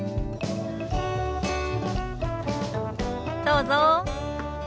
どうぞ。